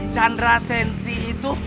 chandra sensi itu